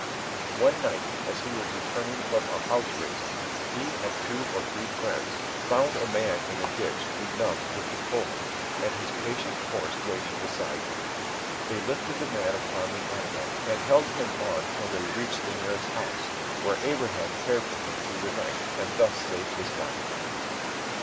One night, as he was returning from a house raising, he and two or three friends found a man in the ditch benumbed with the cold, and his patient horse waiting beside him. They lifted the man upon the animal, and held him on till they reached the nearest house, where Abraham cared for him through the night, and thus saved his life.